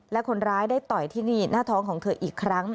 และคนร้ายได้ต่อยที่นี่หน้าท้องของเธออีกครั้ง